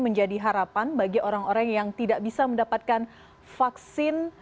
menjadi harapan bagi orang orang yang tidak bisa mendapatkan vaksin